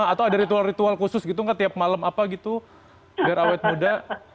atau ada ritual ritual khusus gitu nggak tiap malam apa gitu biar awet muda